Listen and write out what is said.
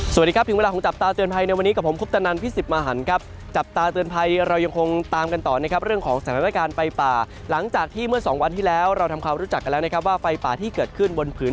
สวัสดีครับถึงเวลาของจับตาเตือนภัยในวันนี้กับผมคุปตนันพิสิทธิ์มหันครับจับตาเตือนภัยเรายังคงตามกันต่อนะครับเรื่องของสถานการณ์ไฟป่าหลังจากที่เมื่อสองวันที่แล้วเราทำความรู้จักกันแล้วนะครับว่าไฟป่าที่เกิดขึ้นบนผืน